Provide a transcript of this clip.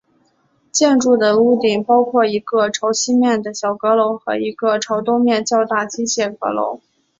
建筑的屋顶包括一个朝西面的小阁楼和一个朝东面较大机械阁楼。